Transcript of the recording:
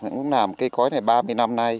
cũng làm cây cõi này ba mươi năm nay